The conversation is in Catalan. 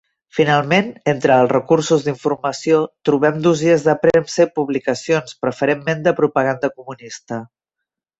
Finalment, entre els recursos d'informació trobem dossiers de premsa i publicacions, preferentment de propaganda comunista.